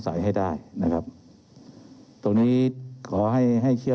เรามีการปิดบันทึกจับกลุ่มเขาหรือหลังเกิดเหตุแล้วเนี่ย